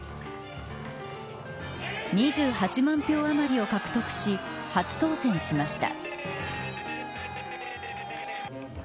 ２８万票余りを獲得し初当選しました。